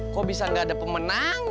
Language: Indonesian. kok bisa nggak ada pemenangnya